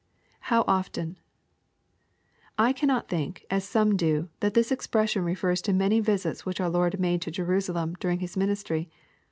[JSbw ofi&n.] 1 cannot think, as some do, that this expression refers to many visits which our Lord had made to Jerusalem, dur ing His ministry.